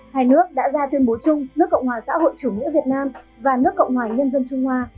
hai nước đã ra tuyên bố chung nước cộng hòa xã hội chủ nghĩa việt nam và nước cộng hòa nhân dân trung hoa